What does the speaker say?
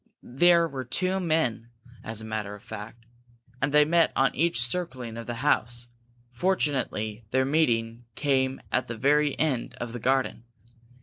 There were two men, as a matter of fact, and they met on each circling of the house. Fortunately, their meeting came at the very end of the garden.